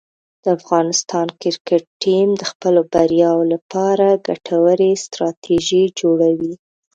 د افغانستان کرکټ ټیم د خپلو بریاوو لپاره ګټورې ستراتیژۍ جوړوي.